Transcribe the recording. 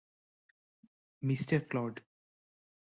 mister Claude